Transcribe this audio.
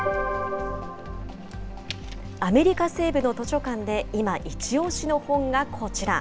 アメリカ西部の図書館で今、一押しの本がこちら。